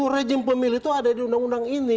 rejim pemilih itu ada di undang undang ini